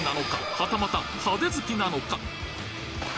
はたまた派手好きなのか？